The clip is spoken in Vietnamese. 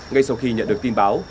ngay sau khi nhận được tin báo